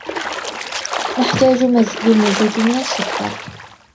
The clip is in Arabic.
نحتاج للمزيد من السكر.